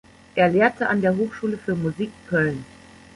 Er lehrte an der Hochschule für Musik Köln.